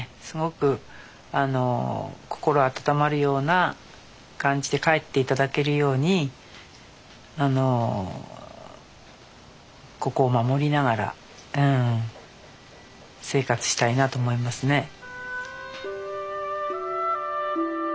すごく心温まるような感じで帰って頂けるようにここを守りながら生活したいなと思いますね。